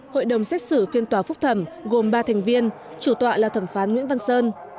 hội đồng xét xử phiên tòa phúc thẩm gồm ba thành viên chủ tọa là thẩm phán nguyễn văn sơn